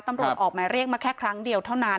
ตำรวจออกหมายเรียกมาแค่ครั้งเดียวเท่านั้น